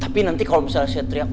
tapi nanti kalau misalnya saya teriak